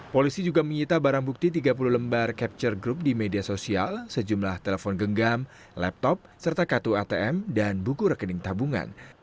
polisi juga menyita barang bukti tiga puluh lembar capture group di media sosial sejumlah telepon genggam laptop serta kartu atm dan buku rekening tabungan